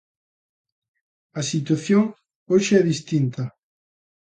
A situación hoxe é distinta.